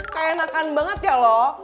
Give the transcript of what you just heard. keenakan banget ya lo